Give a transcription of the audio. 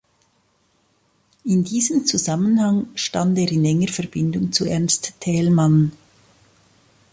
In diesem Zusammenhang stand er in enger Verbindung zu Ernst Thälmann.